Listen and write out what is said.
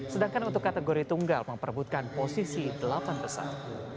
sedangkan untuk kategori tunggal memperbutkan posisi delapan besar